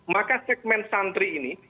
maka segmen santri ini